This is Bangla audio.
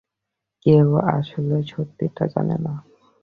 কেউই আসলে সত্যিটা জানে না।